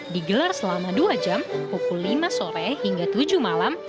digelar selama dua jam pukul lima sore hingga tujuh malam